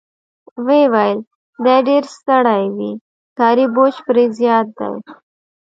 ویې ویل: دی ډېر ستړی وي، کاري بوج پرې زیات دی.